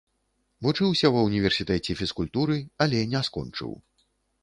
Вучыўся ва ўніверсітэце фізкультуры, але не скончыў.